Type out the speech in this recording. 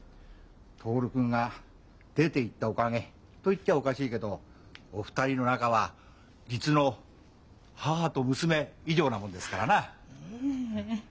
徹君が出ていったおかげと言っちゃおかしいけどお二人の仲は実の母と娘以上なもんですからな。